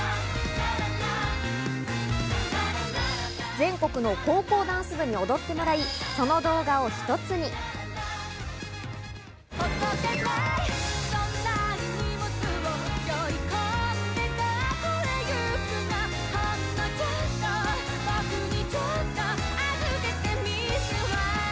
全国の高校ダンス部に踊ってもらいその動画をひとつに。